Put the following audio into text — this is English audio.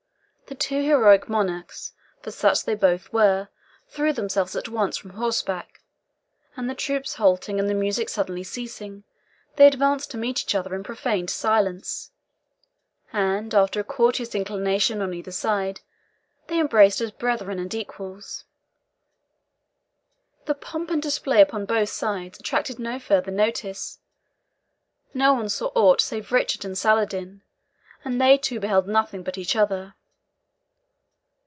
The two heroic monarchs for such they both were threw themselves at once from horseback, and the troops halting and the music suddenly ceasing, they advanced to meet each other in profound silence, and after a courteous inclination on either side they embraced as brethren and equals. The pomp and display upon both sides attracted no further notice no one saw aught save Richard and Saladin, and they too beheld nothing but each other.